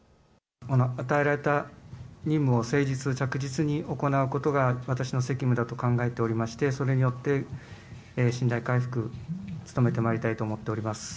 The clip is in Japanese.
与えられた任務を、誠実、着実に行うことが私の責務だと考えておりまして、それによって、信頼回復に努めてまいりたいと思っております。